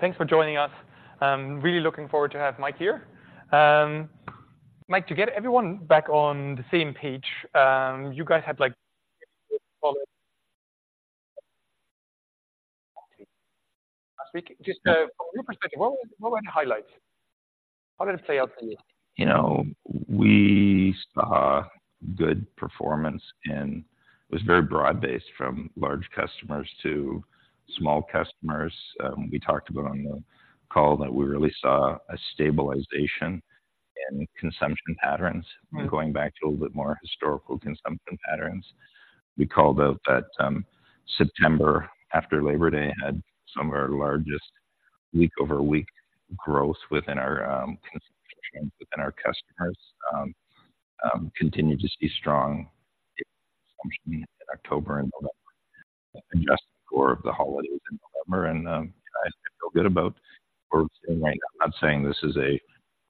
Thanks for joining us. Really looking forward to have Mike here. Mike, to get everyone back on the same page, you guys had like—just, from your perspective, what were, what were the highlights? How did it play out for you? You know, we saw good performance, and it was very broad-based, from large customers to small customers. We talked about on the call that we really saw a stabilization in consumption patterns- Mm-hmm. Going back to a little bit more historical consumption patterns. We called out that September, after Labor Day, had some of our largest week-over-week growth within our consumption, within our customers. Continued to see strong consumption in October and November, and just before the holidays in November. I feel good about where we're sitting right now. I'm not saying this is a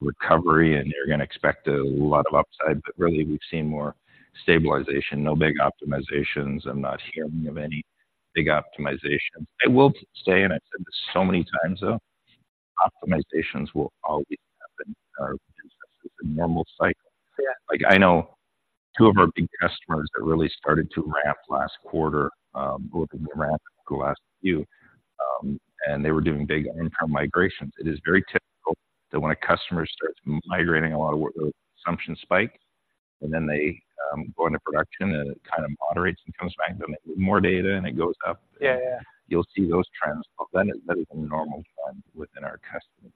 recovery, and you're gonna expect a lot of upside, but really, we've seen more stabilization. No big optimizations. I'm not hearing of any big optimizations. I will say, and I've said this so many times, though, optimizations will always happen. It's a normal cycle. Yeah. Like, I know two of our big customers that really started to ramp last quarter. Both of them ramped the last few, and they were doing big on-prem migrations. It is very typical that when a customer starts migrating a lot of work, the consumption spikes, and then they go into production, and it kind of moderates and comes back. Then they need more data, and it goes up. Yeah, yeah, yeah. You'll see those trends, but then that is a normal trend within our customer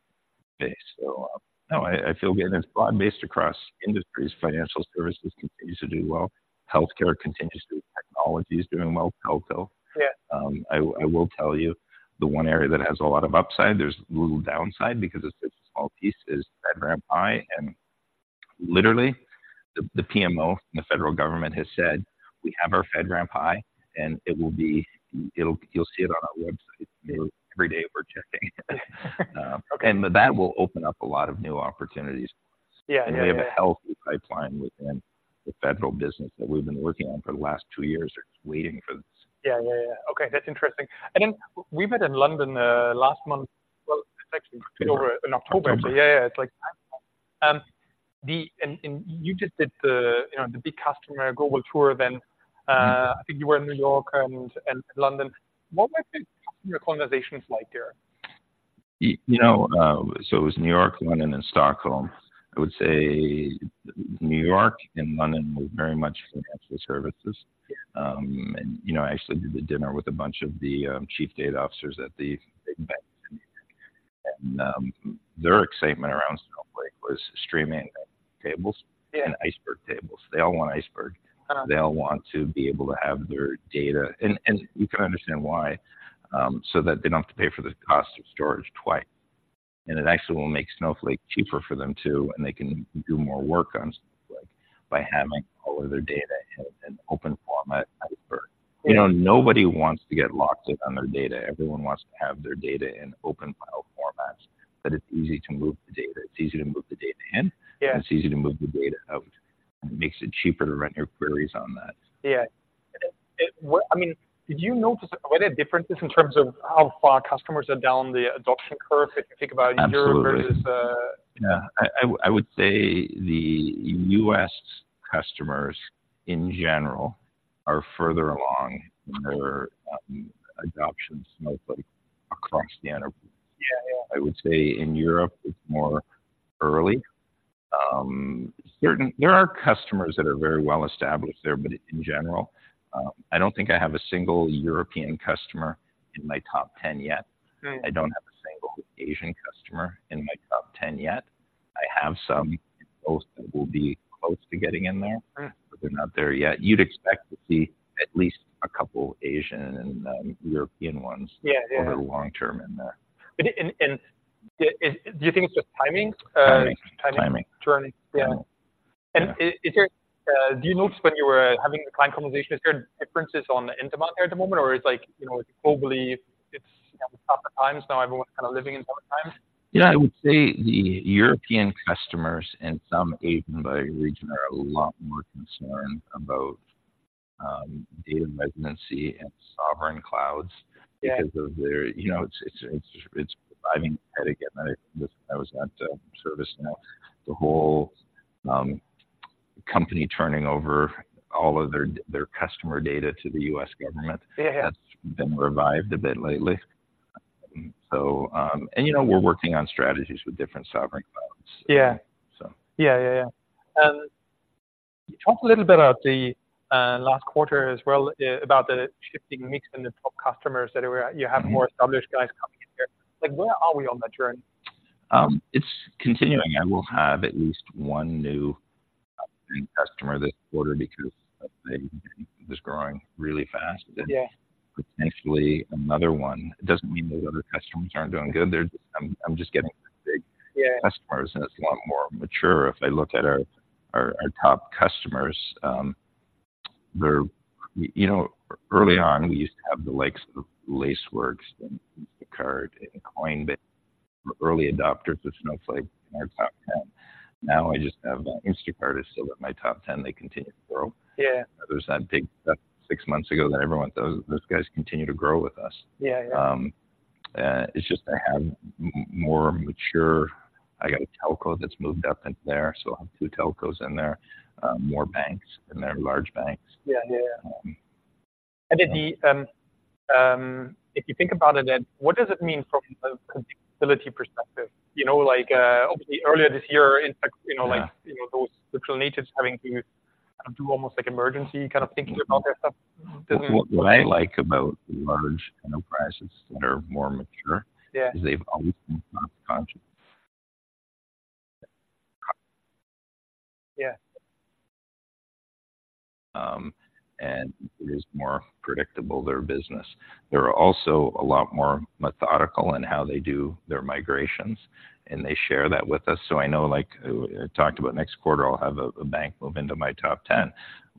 base. So, no, I feel good, and it's broad-based across industries. Financial services continues to do well. Healthcare continues to... Technology is doing well, telco. Yeah. I will tell you, the one area that has a lot of upside, there's little downside because it's such a small piece, is FedRAMP High. And literally, the PMO and the federal government has said, "We have our FedRAMP High, and it'll—you'll see it on our website." Literally, every day we're checking. Okay. That will open up a lot of new opportunities for us. Yeah, yeah, yeah. We have a healthy pipeline within the federal business that we've been working on for the last two years. They're just waiting for this. Yeah, yeah, yeah. Okay, that's interesting. And then we met in London last month. Well, it's actually over in October. October. Yeah, yeah. It's like, you just did the, you know, the big customer global tour event. Mm-hmm. I think you were in New York and London. What were the customer conversations like there? You know, so it was New York, London, and Stockholm. I would say New York and London were very much financial services. Yeah. You know, I actually did the dinner with a bunch of the Chief Data Officers at the big banks in New York. Their excitement around Snowflake was Streaming Tables- Yeah... and Iceberg Tables. They all want Iceberg. Uh-huh. They all want to be able to have their data, and you can understand why, so that they don't have to pay for the cost of storage twice. It actually will make Snowflake cheaper for them, too, and they can do more work on Snowflake by having all of their data in an open format, Iceberg. Yeah. You know, nobody wants to get locked in on their data. Everyone wants to have their data in open file formats, that it's easy to move the data. It's easy to move the data in- Yeah... and it's easy to move the data out. It makes it cheaper to run your queries on that. Yeah. I mean, did you notice quite a difference in terms of how far customers are down the adoption curve, if you think about Europe- Absolutely... versus, Yeah. I would say the U.S. customers, in general, are further along in their adoption Snowflake across the enterprise. Yeah, yeah. I would say in Europe, it's more early. There are customers that are very well established there, but in general, I don't think I have a single European customer in my top 10 yet. Mm. I don't have a single Asian customer in my top ten yet. I have some, both, that will be close to getting in there- Right... but they're not there yet. You'd expect to see at least a couple Asian and European ones- Yeah, yeah... over the long term in there. Do you think it's just timing? Timing. Timing. Timing. Timing, yeah. Yeah. Is there... Do you notice when you were having the client conversation, is there differences on the demand there at the moment, or is like, you know, globally, it's, you know, tougher times, now everyone's kind of living in tougher times? Yeah, I would say the European customers and some Asian by region are a lot more concerned about data residency and sovereign clouds- Yeah... because of their, you know, it's providing headache, and I was at ServiceNow, the whole company turning over all of their customer data to the US government- Yeah, yeah... has been revived a bit lately. So, you know, we're working on strategies with different sovereign clouds. Yeah. So. Yeah, yeah, yeah. And you talked a little bit about the last quarter as well, about the shifting mix in the top customers, that were- Mm-hmm... you have more established guys coming in here. Like, where are we on that journey? It's continuing. I will have at least one new big customer this quarter because they're just growing really fast. Yeah. Potentially, another one. It doesn't mean those other customers aren't doing good, they're... I'm just getting big- Yeah... customers, and it's a lot more mature. If I look at our top customers, they're... you know, early on, we used to have the likes of Lacework, and Instacart, and Coinbase... early adopters of Snowflake in our top ten. Now I just have, Instacart is still in my top ten, they continue to grow. Yeah. There's that big six months ago that everyone. Those guys continue to grow with us. Yeah, yeah. It's just I have more mature... I got a telco that's moved up in there, so I have two telcos in there, more banks in there, large banks. Yeah, yeah, yeah. And then the, if you think about it, then, what does it mean from a visibility perspective? You know, like, obviously earlier this year, in fact, you know, like- Yeah... you know, those virtual natives having to, kind of, do almost like emergency, kind of, thinking about their stuff. What, what I like about large enterprises that are more mature- Yeah... is they've always been conscious. Yeah. It is more predictable, their business. They're also a lot more methodical in how they do their migrations, and they share that with us. So I know, like, I talked about next quarter, I'll have a bank move into my top ten.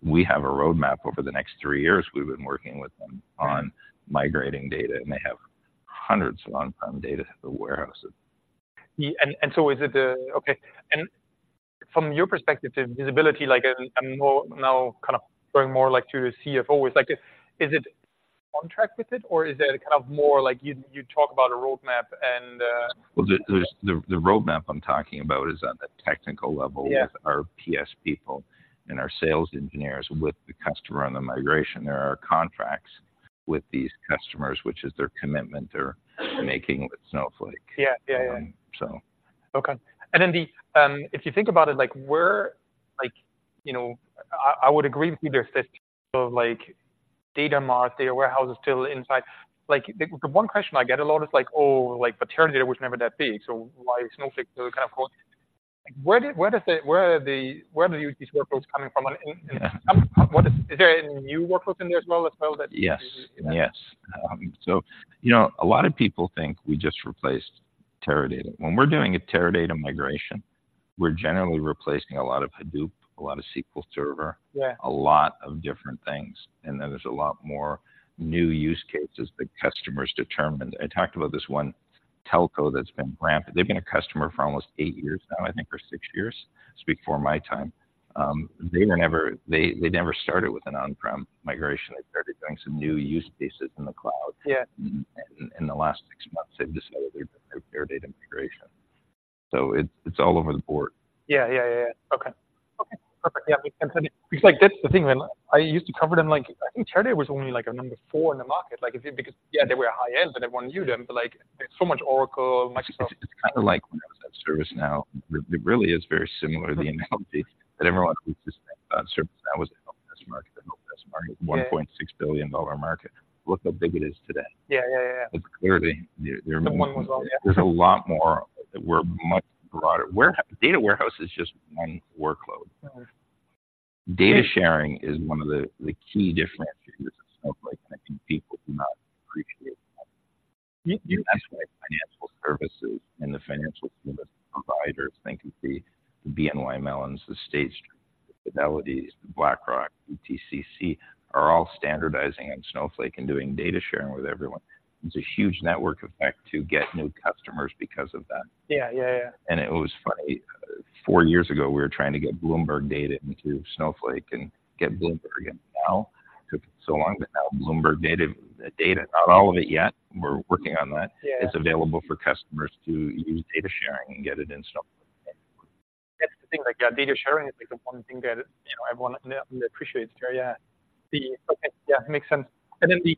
We have a roadmap over the next three years. We've been working with them on migrating data, and they have hundreds of on-prem data warehouses. Yeah. And from your perspective to visibility, like, I'm more now, kind of, going more, like, to your CFO is like, is it on track with it, or is it, kind of, more like you talk about a roadmap and- Well, the roadmap I'm talking about is on the technical level. Yeah... with our PS people and our sales engineers with the customer on the migration. There are contracts with these customers, which is their commitment they're making with Snowflake. Yeah. Yeah, yeah. Um, so. Okay. And then the, if you think about it, like, where, like, you know, I would agree with you, there's this, like, data mart, data warehouse is still inside. Like, the one question I get a lot is like: "Oh, like, Teradata was never that big, so why Snowflake?" So kind of, where are these workloads coming from? And, and- Yeah... Are there any new workloads in there as well, that- Yes, yes. So, you know, a lot of people think we just replaced Teradata. When we're doing a Teradata migration, we're generally replacing a lot of Hadoop, a lot of SQL Server- Yeah... a lot of different things. And then there's a lot more new use cases the customers determined. I talked about this one telco that's been around for. They've been a customer for almost eight years now, I think for six years. It's before my time. They were never. They never started with an on-prem migration. They started doing some new use cases in the cloud. Yeah. In the last six months, they've decided to do a Teradata migration. It's, it's all over the board. Yeah, yeah, yeah. Okay. Okay, perfect. Yeah, because, like, that's the thing, man. I used to cover them, like, I think Teradata was only, like, a number four in the market. Like, if you, because, yeah, they were high-end, but everyone knew them, but, like, there's so much Oracle, Microsoft- It's kind of like when I was at ServiceNow. It really is very similar, the analogy that everyone who was just at ServiceNow was the helpdesk market. Yeah. $1.6 billion market. Look how big it is today. Yeah, yeah, yeah. It's clearly, they're more- The one was all- There's a lot more, we're much broader. Data warehouse is just one workload. Right. Data sharing is one of the key differentiators of Snowflake, and I think people do not appreciate that. You- Us, like financial services and the financial service providers, think of BNY Mellon, State Street, Fidelity, BlackRock, DTCC, are all standardizing on Snowflake and doing data sharing with everyone. It's a huge network effect to get new customers because of that. Yeah, yeah, yeah. It was funny, four years ago, we were trying to get Bloomberg data into Snowflake and get Bloomberg in. Now, it took so long, but now Bloomberg data, the data, not all of it yet, we're working on that- Yeah... is available for customers to use data sharing and get it in Snowflake. That's the thing, like, yeah, data sharing is, like, the one thing that, you know, everyone underappreciates. Yeah. Okay, yeah, makes sense. And then the,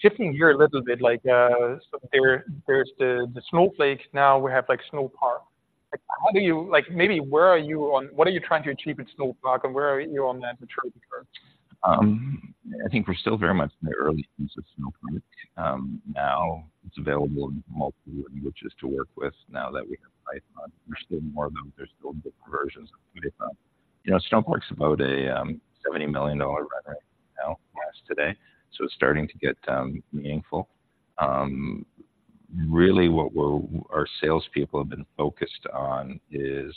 shifting gear a little bit, like, so there, there's the Snowflake, now we have, like, Snowpark. Like, how do you... Like, maybe where are you on— What are you trying to achieve in Snowpark, and where are you on that maturity curve? I think we're still very much in the early phases of Snowpark. Now it's available in multiple languages to work with now that we have Python. There's still more of them. There's still big versions of Python. You know, Snowpark's about a $70 million run rate now, as today, so it's starting to get meaningful. Really, what we're, our salespeople have been focused on is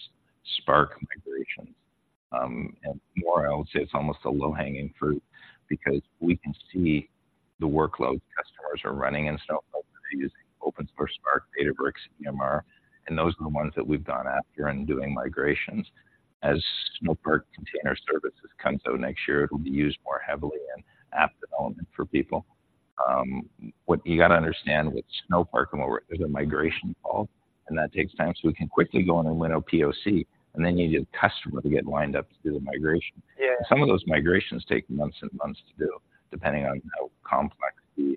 Spark migrations. And more, I would say it's almost a low-hanging fruit because we can see the workloads customers are running in Snowflake. They're using open source Spark, Databricks, EMR, and those are the ones that we've gone after in doing migrations. As Snowpark Container Services comes out next year, it'll be used more heavily in app development for people. You got to understand, with Snowpark and more, there's a migration involved, and that takes time, so we can quickly go in and win a POC, and then you need a customer to get lined up to do the migration. Yeah. Some of those migrations take months and months to do, depending on how complex the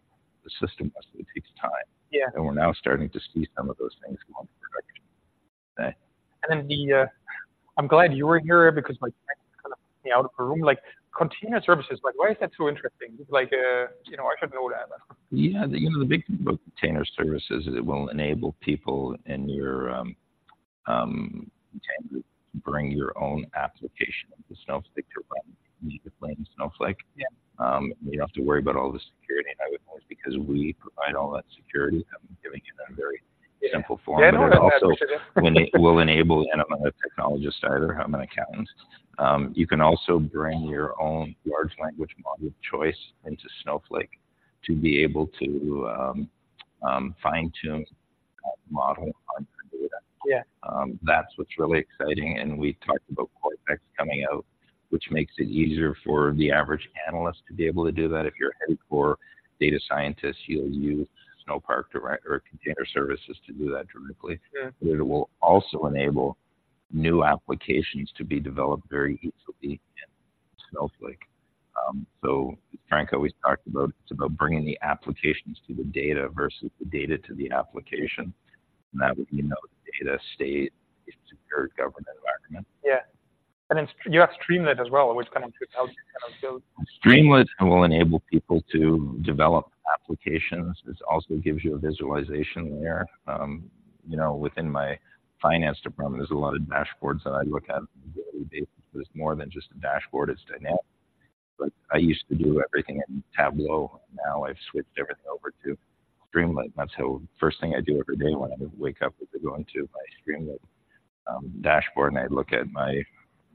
system is, so it takes time. Yeah. We're now starting to see some of those things come on production. I'm glad you were here because, like, kind of, me out of the room. Like, container services, like, why is that so interesting? Like, you know, I should know that, but- Yeah, you know, the big thing about Container Services is it will enable people in your container to bring your own application to Snowflake to run neatly in Snowflake. Yeah. You don't have to worry about all the security and that noise, because we provide all that security and giving it a very simple form. Yeah, It also will enable, and I'm not a technologist either, I'm an accountant. You can also bring your own large language model of choice into Snowflake to be able to fine-tune a model on your data. Yeah. That's what's really exciting, and we talked about Cortex coming out, which makes it easier for the average analyst to be able to do that. If you're a hardcore data scientist, you'll use Snowpark direct or Container Services to do that directly. Yeah. But it will also enable new applications to be developed very easily in Snowflake. So Frank always talked about, it's about bringing the applications to the data versus the data to the application. And that way, you know, the data stay in a secure government environment. Yeah. And you have Streamlit as well, which kind of helps you kind of build- Streamlit will enable people to develop applications. It also gives you a visualization layer. You know, within my finance department, there's a lot of dashboards that I look at on a daily basis. But it's more than just a dashboard, it's dynamic. But I used to do everything in Tableau, now I've switched everything over to Streamlit. That's the first thing I do every day when I wake up, is I go into my Streamlit dashboard, and I look at my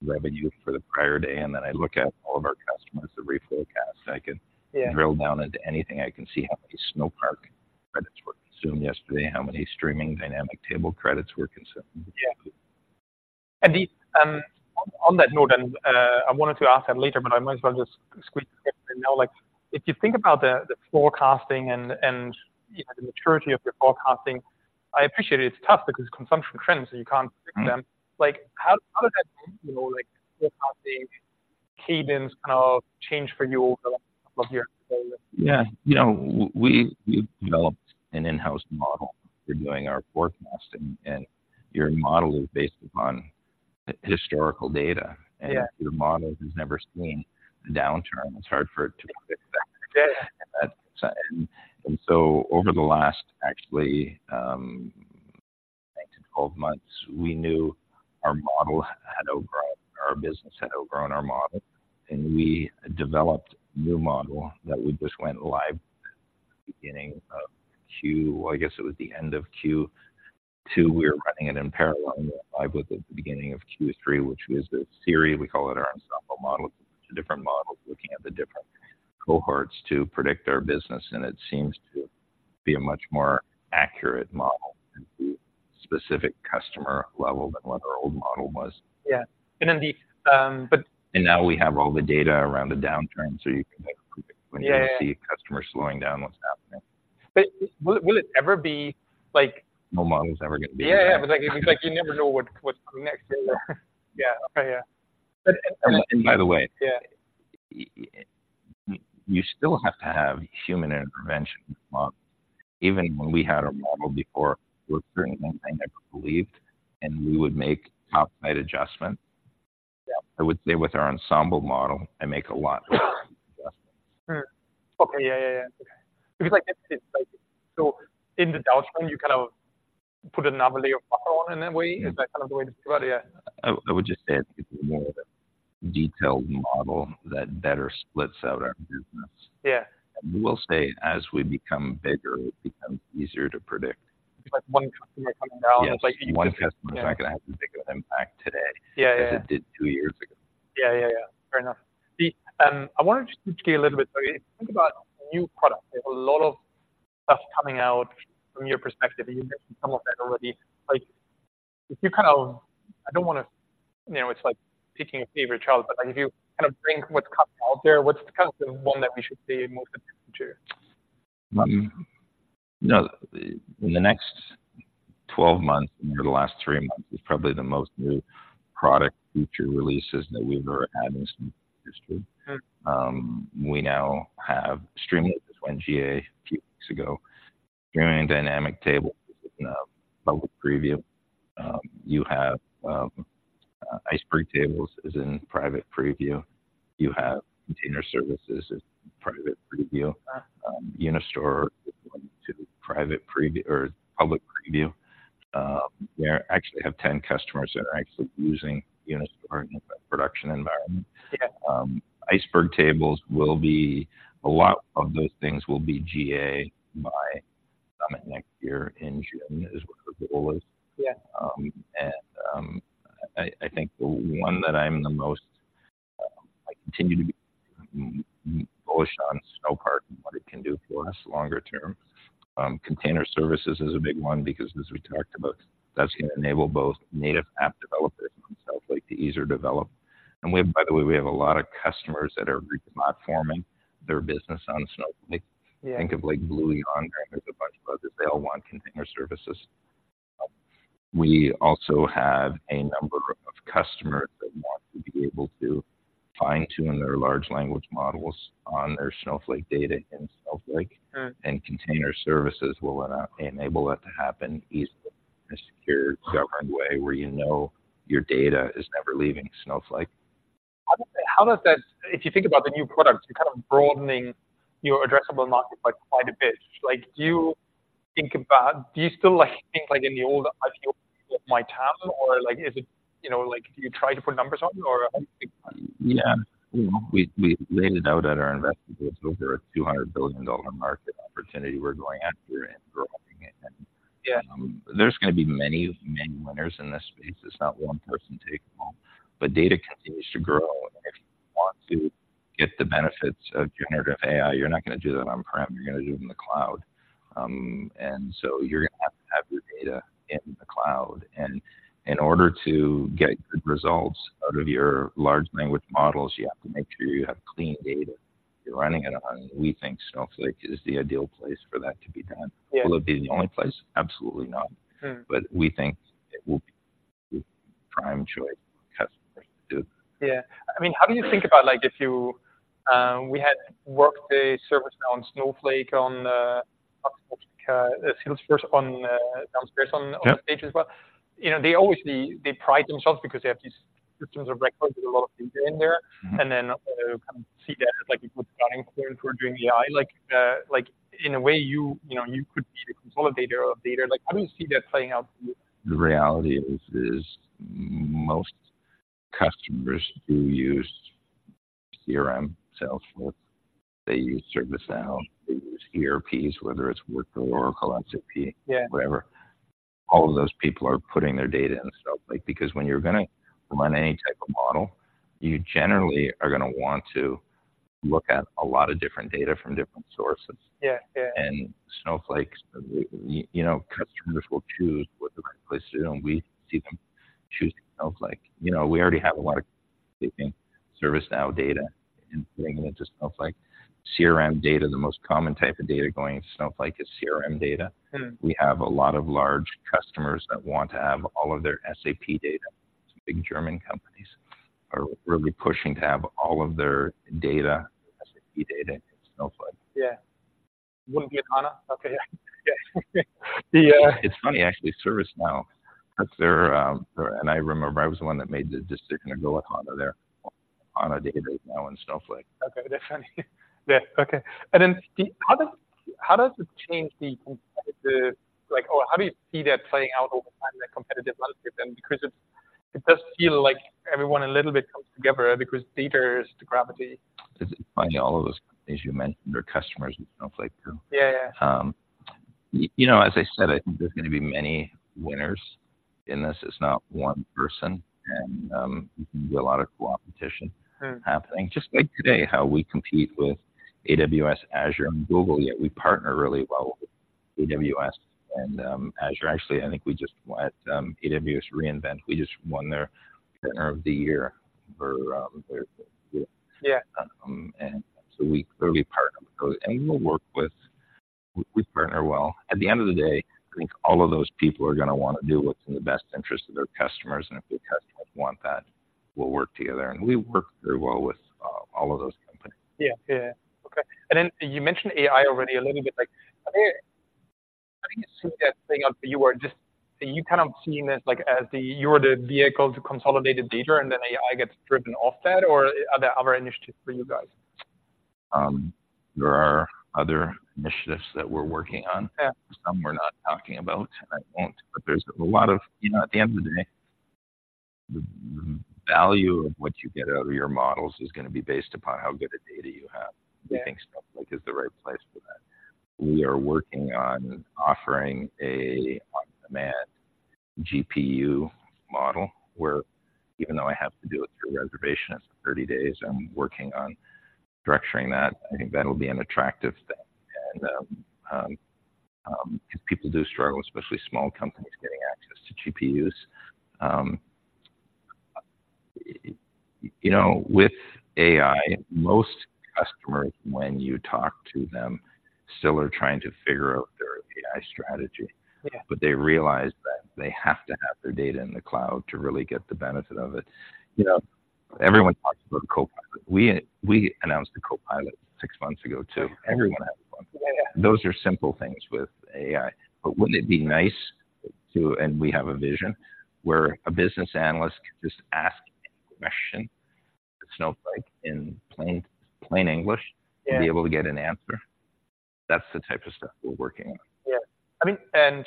revenue for the prior day, and then I look at all of our customers, the forecast. Yeah. I can drill down into anything. I can see how many Snowpark credits were consumed yesterday, how many streaming dynamic table credits were consumed. Yeah. And on that note, I wanted to ask that later, but I might as well just squeeze it in now. Like, if you think about the forecasting and, you know, the maturity of your forecasting, I appreciate it's tough because consumption trends, so you can't predict them. Mm-hmm. Like, how does that, you know, like, forecasting cadence kind of change for you over the last couple of years? Yeah. You know, we've developed an in-house model for doing our forecasting, and your model is based upon historical data. Yeah. If your model has never seen a downturn, it's hard for it to predict that. Yeah. So over the last actually 9-12 months, we knew our model had outgrown, our business had outgrown our model, and we developed a new model that we just went live beginning of Q3. I guess it was the end of Q2. We were running it in parallel, and live with it at the beginning of Q3, which was the theory. We call it our Ensemble Model. It's a different model, looking at the different cohorts to predict our business, and it seems to be a much more accurate model at the specific customer level than what our old model was. Yeah. And then the, but- Now we have all the data around the downturn, so you can, like, predict- Yeah, yeah. When you see a customer slowing down, what's happening? But will it ever be like- No model is ever going to be- Yeah, yeah, but, like, like you never know what, what's coming next, yeah. Yeah. Okay, yeah. But, and- And by the way- Yeah... you still have to have human intervention in the model. Even when we had our model before, we were doing something I never believed, and we would make top-side adjustments. Yeah. I would say with our Ensemble Model, I make a lot more adjustments. Okay, yeah, yeah, yeah. Okay. Because, like, it's like... So in the downturn, you kind of put another layer of model on in that way? Is that kind of the way to think about it, yeah. I would just say it's more of a detailed model that better splits out our business. Yeah. I will say, as we become bigger, it becomes easier to predict. If, like, one customer coming down, it's like- Yes, one customer is not gonna have as big of an impact today- Yeah, yeah... as it did two years ago. Yeah, yeah, yeah. Fair enough. I wanted to just get a little bit, so if you think about new products, there's a lot of stuff coming out from your perspective. You mentioned some of that already. Like, if you kind of... I don't wanna, you know, it's like picking a favorite child, but, like, if you kind of think what's coming out there, what's kind of the one that we should be most interested in? You know, in the next 12 months, in the last 3 months, is probably the most new product feature releases that we've ever had in this industry. Mm. We now have Streamlit, went GA a few weeks ago. Streaming Dynamic Tables is in a public preview. You have, Iceberg Tables is in private preview. You have Container Services is private preview. Uh. Unistore is going to private preview or public preview. We actually have 10 customers that are actually using Unistore in a production environment. Yeah. Iceberg Tables will be... A lot of those things will be GA by Summit next year in June, is what our goal is. Yeah. I think the one that I'm the most. I continue to be bullish on Snowpark and what it can do for us longer term. Container Services is a big one because, as we talked about, that's gonna enable both native app developers on Snowflake to easier develop. And we have, by the way, a lot of customers that are replatforming their business on Snowflake. Yeah. Think of, like, Blue Yonder, and there's a bunch of others. They all want Container Services. We also have a number of customers that want to be able to fine-tune their large language models on their Snowflake data in Snowflake. Mm. Container Services will allow, enable that to happen easily in a secure, governed way, where you know your data is never leaving Snowflake. How does that... If you think about the new products, you're kind of broadening your addressable market by quite a bit. Like, do you think about— Do you still like think like in the old IT world?... my tab? Or like, is it, you know, like, do you try to put numbers on it or? Yeah. You know, we, we laid it out at our investor day. There are $200 billion market opportunity we're going after and growing it, and- Yeah... There's gonna be many, many winners in this space. It's not one person take them all, but data continues to grow, and if you want to get the benefits of generative AI, you're not gonna do that on-prem, you're gonna do it in the cloud. And so you're gonna have to have your data in the cloud, and in order to get good results out of your large language models, you have to make sure you have clean data you're running it on, and we think Snowflake is the ideal place for that to be done. Yeah. Will it be the only place? Absolutely not. Mm. But we think it will be the prime choice for customers to do. Yeah. I mean, how do you think about, like, if you, We had worked a ServiceNow on Snowflake, on, Salesforce, on, downstairs on- Yeah Other stage as well. You know, they always pride themselves because they have these systems of record with a lot of data in there. Mm-hmm. Then, kind of see that as like a good starting point toward doing AI. Like, in a way, you know, you could be a consolidator of data. Like, how do you see that playing out for you? The reality is most customers do use CRM, Salesforce, they use ServiceNow, they use ERPs, whether it's Workday, Oracle, SAP- Yeah All of those people are putting their data in Snowflake. Because when you're gonna run any type of model, you generally are gonna want to look at a lot of different data from different sources. Yeah. Yeah. Snowflake, you know, customers will choose what the right place is, and we see them choosing Snowflake. You know, we already have a lot of Snowflake ServiceNow data and putting it into Snowflake. CRM data, the most common type of data going into Snowflake is CRM data. Mm. We have a lot of large customers that want to have all of their SAP data. Big German companies are really pushing to have all of their data, SAP data, in Snowflake. Yeah. Wouldn't be HANA? Okay, yeah. Yeah. It's funny, actually, ServiceNow, that's their... And I remember I was the one that made the decision to go with HANA there, HANA database now in Snowflake. Okay, that's funny. Yeah, okay. And then, how does it change the competitive, like, or how do you see that playing out over time, the competitive landscape then? Because it does feel like everyone a little bit comes together because data is the gravity. It's funny, all of those, as you mentioned, their customers use Snowflake too. Yeah, yeah. You know, as I said, I think there's going to be many winners in this. It's not one person and, you can do a lot of coopetition- Mm... happening. Just like today, how we compete with AWS, Azure, and Google, yet we partner really well with AWS and Azure. Actually, I think we just went AWS re:Invent. We just won their Partner of the Year for their year. Yeah. So we clearly partner, and we'll work with. We partner well. At the end of the day, I think all of those people are gonna wanna do what's in the best interest of their customers, and if their customers want that, we'll work together. We work very well with all of those companies. Yeah. Yeah, yeah. Okay. And then you mentioned AI already a little bit. Like, how do you-how do you see that playing out for you, or just are you kind of seeing this, like, as the... You're the vehicle to consolidate the data, and then AI gets driven off that, or are there other initiatives for you guys? There are other initiatives that we're working on. Yeah. Some we're not talking about, and I won't. But there's a lot of, you know, at the end of the day, the value of what you get out of your models is gonna be based upon how good a data you have. Yeah. We think Snowflake is the right place for that. We are working on offering an on-demand GPU model, where even though I have to do it through reservation, it's 30 days, I'm working on structuring that. I think that'll be an attractive thing, and, because people do struggle, especially small companies, getting access to GPUs. You know, with AI, most customers, when you talk to them, still are trying to figure out their API strategy. Yeah. But they realize that they have to have their data in the cloud to really get the benefit of it. You know, everyone talks about Copilot. We announced the Copilot six months ago, too. Everyone has one. Yeah, yeah. Those are simple things with AI, but wouldn't it be nice to... And we have a vision, where a business analyst can just ask a question, Snowflake, in plain, plain English- Yeah and be able to get an answer? That's the type of stuff we're working on. Yeah. I mean,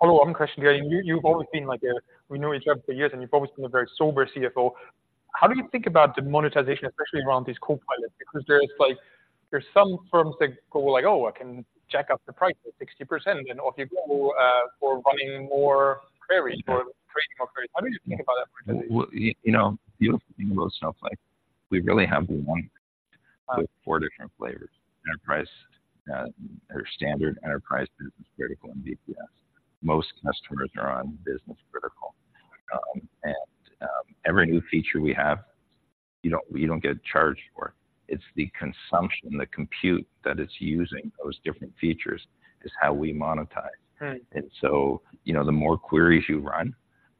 follow up question here. You've always been like a very sober CFO. How do you think about the monetization, especially around these Copilots? Because there's like... There are some firms that go like, "Oh, I can jack up the price by 60%," and off you go for running more queries or creating more queries. How do you think about that monetization? Well, you know, the beautiful thing about Snowflake, we really have one with four different layers: Enterprise, or Standard, Enterprise, Business Critical, and VPS. Most customers are on Business Critical. And every new feature we have, you don't get charged for. It's the consumption, the compute that it's using, those different features, is how we monetize. Right. And so, you know, the more queries you run,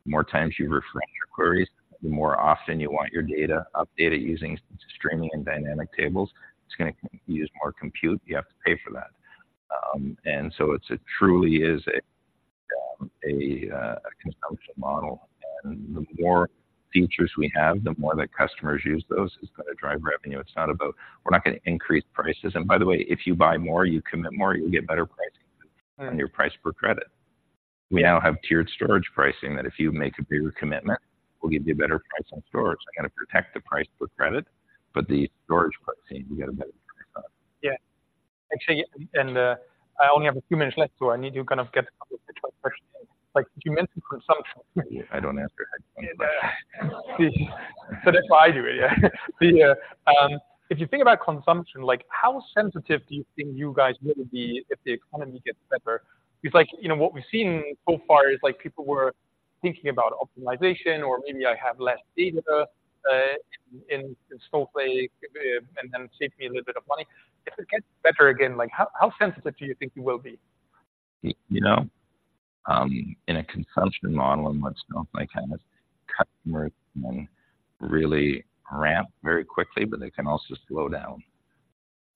the more times you refresh your queries, the more often you want your data updated using Streaming and Dynamic Tables, it's gonna use more compute, you have to pay for that. And so it's truly a Consumption Model, and the more features we have, the more that customers use those, is going to drive revenue. It's not about. We're not gonna increase prices. And by the way, if you buy more, you commit more, you'll get better pricing on your price per credit. We now have tiered storage pricing, that if you make a bigger commitment, we'll give you a better price on storage. We're gonna protect the price per credit, but the storage pricing, we get a better price on. Yeah. Actually, I only have a few minutes left, so I need to kind of get a couple of questions. Like, you mentioned consumption. I don't answer questions. So that's why I do it. Yeah. If you think about consumption, like, how sensitive do you think you guys will be if the economy gets better? Because like, you know, what we've seen so far is, like, people were thinking about optimization, or maybe I have less data in Snowflake, and then save me a little bit of money. If it gets better again, like, how sensitive do you think you will be? You know, in a consumption model and what Snowflake has, customers can really ramp very quickly, but they can also slow down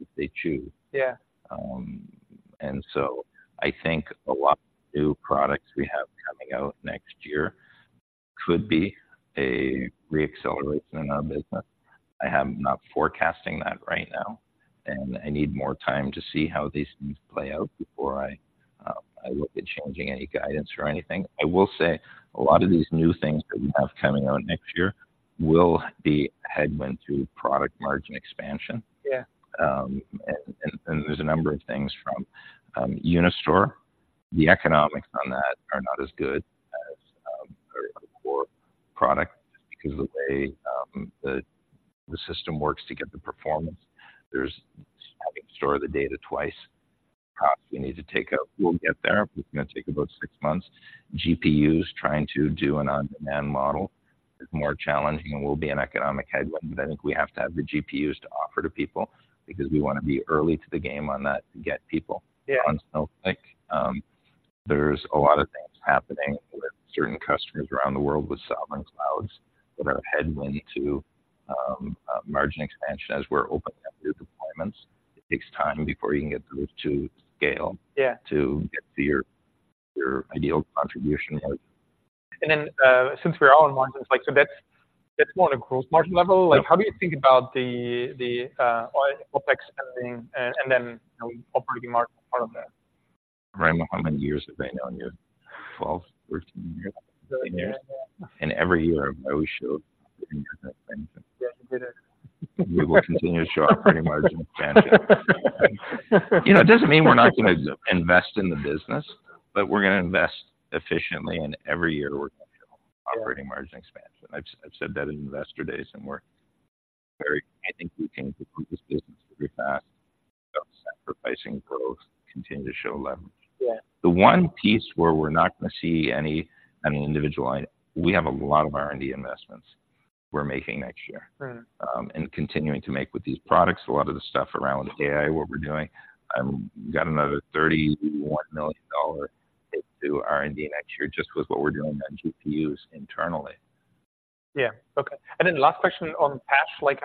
if they choose. Yeah. I think a lot of new products we have coming out next year could be a re-acceleration in our business. I am not forecasting that right now, and I need more time to see how these things play out before I look at changing any guidance or anything. I will say, a lot of these new things that we have coming out next year will be headwind through product margin expansion. Yeah. And there's a number of things from Unistore. The economics on that are not as good as our core product, because the way the system works to get the performance, there's having to store the data twice. Perhaps we need to take a. We'll get there, but it's gonna take about 6 months. GPUs, trying to do an on-demand model is more challenging and will be an economic headwind, but I think we have to have the GPUs to offer to people because we wanna be early to the game on that to get people- Yeah -on Snowflake. There's a lot of things happening with certain customers around the world with Sovereign clouds that are headwind to, margin expansion as we're opening up new deployments. It takes time before you can get those to scale- Yeah -to get to your ideal contribution rate. And then, since we're all in margins, like, so that's, that's more on a gross margin level. Yeah. Like, how do you think about the OPEX spending, and then, you know, operating margin part of that? Ram, how many years have I known you? 12, 13 years? Yeah. Every year, I always show operating margin. Yeah, you did it. We will continue to show our operating margin expansion. You know, it doesn't mean we're not gonna invest in the business, but we're gonna invest efficiently, and every year we're gonna show operating margin expansion. I've, I've said that in investor days, and we're very, I think we can grow this business very fast without sacrificing growth, continue to show leverage. Yeah. The one piece where we're not gonna see any individual item—we have a lot of R&D investments we're making next year- Mm-hmm... and continuing to make with these products, a lot of the stuff around AI, what we're doing. We've got another $31 million dollar into R&D next year, just with what we're doing on GPUs internally. Yeah. Okay. And then last question on cash. Like,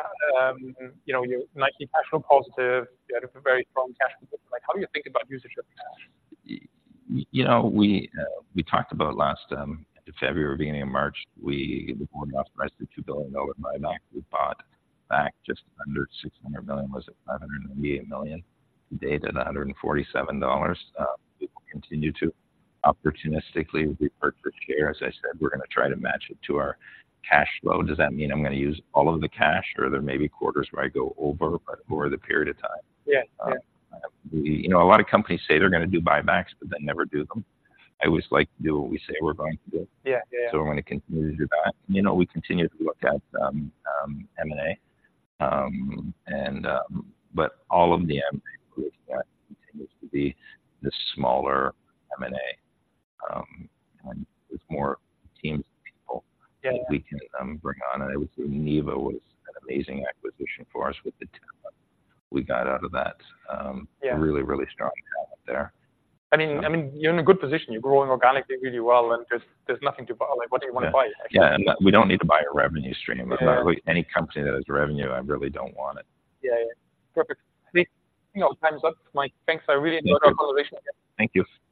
you know, you're nicely cash flow positive. You had a very strong cash flow. Like, how do you think about use of your cash? You know, we talked about last February, beginning of March, the board authorized the $2 billion buyback. We bought back just under $600 million, was it $580 million? Today, at $147. We will continue to opportunistically repurchase shares. As I said, we're gonna try to match it to our cash flow. Does that mean I'm gonna use all of the cash, or there may be quarters where I go over, but over the period of time? Yeah. Yeah. You know, a lot of companies say they're gonna do buybacks, but they never do them. I always like to do what we say we're going to do. Yeah. Yeah. So we're gonna continue to do that. You know, we continue to look at M&A, but all of the M&A continues to be the smaller M&A, and it's more teams of people- Yeah -that we can bring on. And I would say Neeva was an amazing acquisition for us with the talent we got out of that, Yeah... really, really strong talent there. I mean, I mean, you're in a good position. You're growing organically really well, and there's nothing to buy. Like, what do you wanna buy? Yeah, and we don't need to buy a revenue stream. Yeah. Literally, any company that has revenue, I really don't want it. Yeah, yeah. Perfect. I think, you know, time's up, Mike. Thanks, I really enjoyed our conversation. Thank you.